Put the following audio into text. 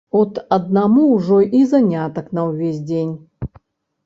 От аднаму ўжо й занятак на ўвесь дзень.